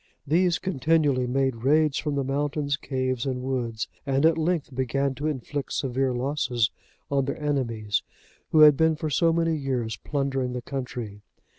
These continually made raids from the mountains, caves, and woods, and, at length, began to inflict severe losses on their enemies, who had been for so many years plundering the country.